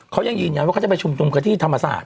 เขายังยืนยันว่าเขาจะไปชุมนุมกันที่ธรรมศาสต